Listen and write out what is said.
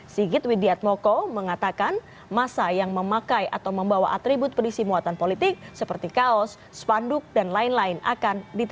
sigit widjatmoko mengatakan masa yang memakai atau membawa atribut penisi muatan politik seperti kaos spasial